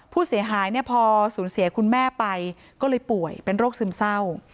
ผู้เสียหายเนี่ยพอสูญเสียคุณแม่ไปก็เลยป่วยเป็นโรคซึมเศร้า